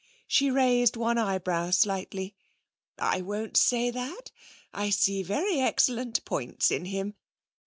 She raised one eyebrow slightly. 'I won't say that. I see very excellent points in him.